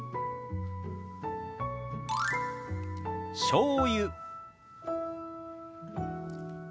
「しょうゆ」。